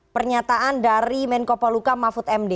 pernyataan dari menko poluka mahfud md